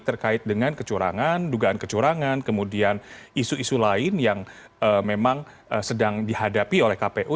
terkait dengan kecurangan dugaan kecurangan kemudian isu isu lain yang memang sedang dihadapi oleh kpu